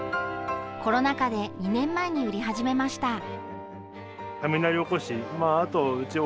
コロナ禍で２年前に売り始めました。